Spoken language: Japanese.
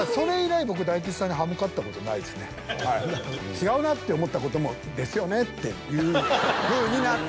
違うなって思ったことも。っていうふうになって。